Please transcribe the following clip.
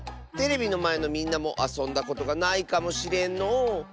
テレビのまえのみんなもあそんだことがないかもしれんのう。